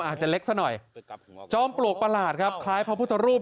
อาจจะเล็กซะหน่อยจอมปลวกประหลาดครับคล้ายพระพุทธรูป